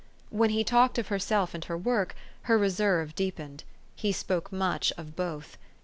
When he talked of herself and her work, her re serve deepened. He spoke much of both.